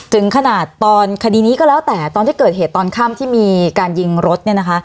ถึงขนาดตอนคดีนี้ก็แล้วแต่ตอนที่เกิดเหตุตอนค่ำที่มีการยิงรถเนี่ยนะคะ